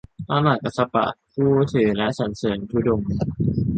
พระมหากัสสปะ ผู้ถือและสรรเสิรญธุดงค์